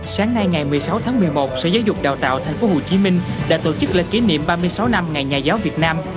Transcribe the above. sáng nay ngày một mươi sáu tháng một mươi một sở giáo dục đào tạo tp hcm đã tổ chức lễ kỷ niệm ba mươi sáu năm ngày nhà giáo việt nam